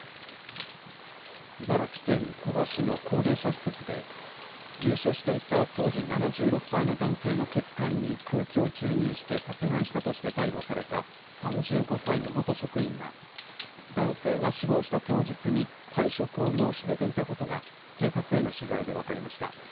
茨城県古河市の高齢者施設で、入所していた当時７６歳の男性の血管に空気を注入して殺害したとして逮捕された３５歳の元職員が、男性が死亡した当日に、退職を申し出ていたことが、警察への取材で分かりました。